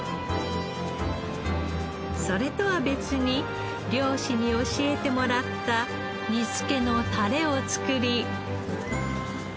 それとは別に漁師に教えてもらった煮付けのタレを作り。